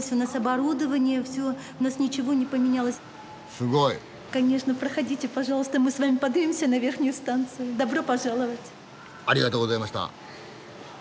すごい！ありがとうございました。